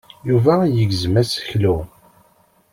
Yuba yegzem aseklu.